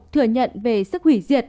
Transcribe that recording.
thừa nhận về sức hủy diệt